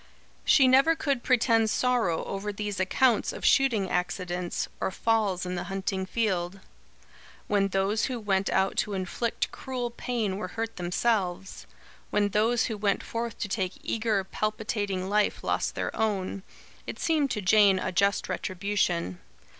She never could pretend sorrow over these accounts of shooting accidents, or falls in the hunting field. When those who went out to inflict cruel pain were hurt themselves; when those who went forth to take eager, palpitating life, lost their own; it seemed to Jane a just retribution.